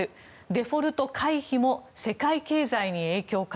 デフォルト回避も世界経済に影響か。